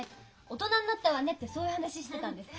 大人になったわねってそういう話してたんです。